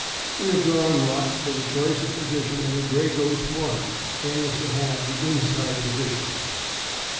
We have drawn lots for the choice of position, and the 'Gray Ghost' won, and is to have the inside position.